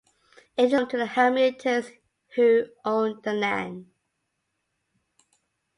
It is home to the Hamiltons who own the land.